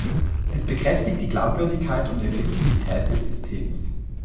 Es bekräftigt die Glaubwürdigkeit und Effektivität des Systems.